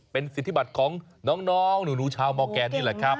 เป็นสิทธิบัติของน้องหนูชาวมอร์แกนนี่แหละครับ